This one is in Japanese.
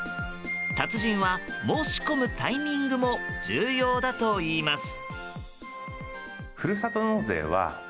達人は申し込むタイミングも重要だといいます。